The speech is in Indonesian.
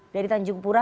dari tanjung pura